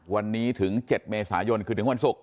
วันนี้ถึง๗เมษายนคือถึงวันศุกร์